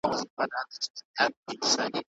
ځینې علتونه جنیټیکي دي.